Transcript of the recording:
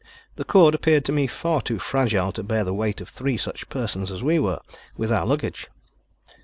The cord appeared to me far too fragile to bear the weight of three such persons as we were, with our luggage.